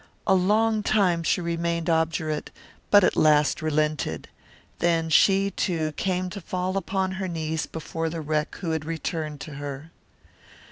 A long time she remained obdurate, but at last relented. Then she, too, came to fall upon her knees before the wreck who had returned to her.